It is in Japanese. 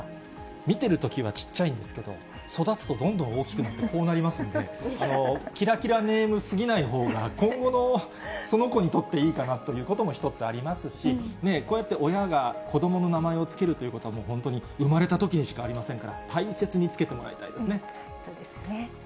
見てるときはちっちゃいんですけど、育つとどんどん大きくなって、こうなりますんで、キラキラネームすぎないほうが、今後のその子にとっていいかなということも一つありますし、こうやって親が子どもの名前を付けるということは本当に生まれたときにしかありませんから、そうですね。